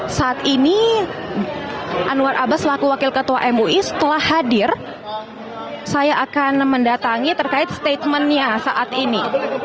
dan saat ini anwar abbas laku wakil ketua mui setelah hadir saya akan mendatangi terkait statementnya saat ini